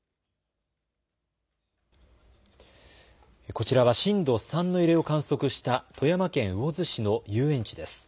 こちらは震度３の揺れを観測した富山県魚津市の遊園地です。